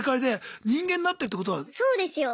そうですよ。